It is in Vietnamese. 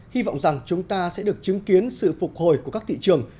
hy vọng rằng chúng ta sẽ được chứng kiến sự phục hồi của các thị trường